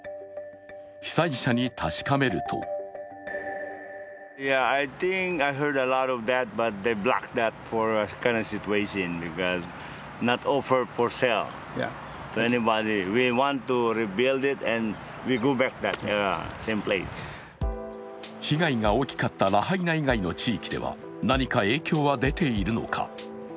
被災者に確かめると被害が大きかったラハイナ以外の地域では何か影響が出ているのか。